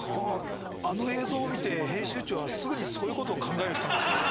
あの映像を見て編集長はすぐにそういうことを考える人なんですね。